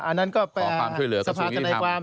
อันนั้นก็ไปสภาษณ์ทนายความ